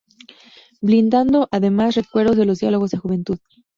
Brindando, además, recuerdos de los diálogos de juventud.